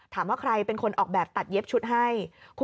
ถามว่าใครเป็นคนออกแบบตัดเย็บชุดให้